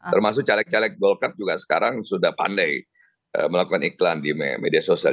termasuk caleg caleg golkar juga sekarang sudah pandai melakukan iklan di media sosial